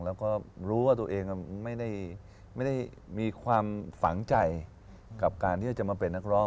แล้วก็รู้ว่าตัวเองไม่ได้มีความฝังใจกับการที่จะมาเป็นนักร้อง